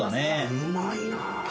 うまいわ。